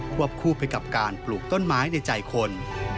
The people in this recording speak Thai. วบคู่ไปกับการปลูกต้นไม้ในใจคน